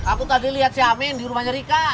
aku tadi liat si amin di rumahnya rika